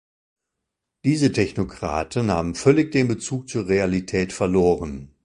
Diese Technokraten haben völlig den Bezug zur Realität verloren.